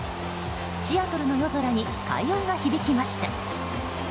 シアトルの夜空に快音が響きました。